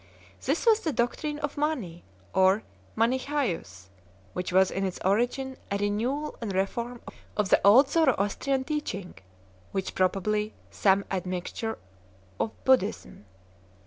This was the doctrine of Mani, or Manichseus, which was in its origin a renewal and reform of the old Zoroastrian teaching, with, probably, some ad mixture of Buddhism.